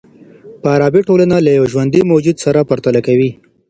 فارابي ټولنه له يوه ژوندي موجود سره پرتله کوي.